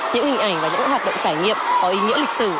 những hình ảnh và những hoạt động trải nghiệm có ý nghĩa lịch sử